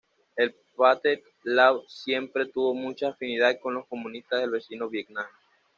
El Pathet Lao siempre tuvo mucha afinidad con los comunistas del vecino Vietnam.